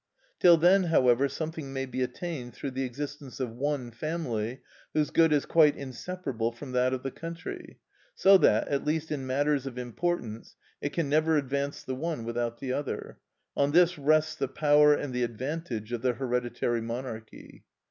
Till then, however, something may be attained through the existence of one family whose good is quite inseparable from that of the country; so that, at least in matters of importance, it can never advance the one without the other. On this rests the power and the advantage of the hereditary monarchy.